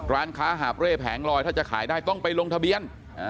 ร้านค้าหาบเร่แผงลอยถ้าจะขายได้ต้องไปลงทะเบียน